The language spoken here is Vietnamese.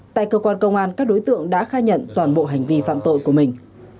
tại cơ quan công an các đối tượng đã khai nhận toàn bộ hành vi phạm tội của mình